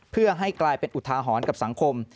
เพื่อให้กลายเป็นอุทาหรณ์กับสังคม